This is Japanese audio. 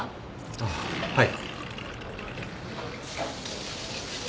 あっはい。